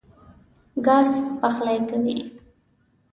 ګاز پخلی کوي.